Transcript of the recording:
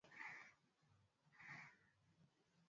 elizabeth alikuwa amevalia nguo ya rangi ya kijani